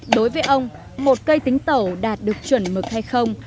đối với ông một cây tính tẩu đạt được chuẩn mực hay không